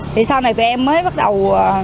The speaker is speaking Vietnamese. thì sau này tụi em mới bắt đầu